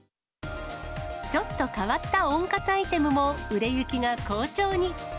ちょっと変わった温活アイテムも売れ行きが好調に。